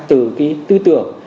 từ cái tư tưởng